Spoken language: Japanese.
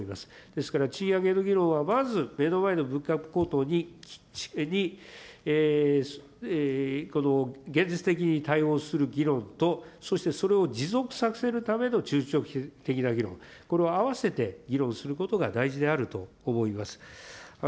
ですから、賃上げの議論はまず、目の前の物価高騰に現実的に対応する議論と、そしてそれを持続させるための中長期的な議論、これを合わせて議論することが大事であると思います。